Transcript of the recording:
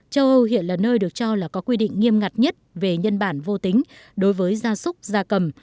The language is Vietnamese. châu âu hiện là nơi được cho là có quy định nghiêm ngặt nhất về nhân bản vô tính đối với gia súc gia cầm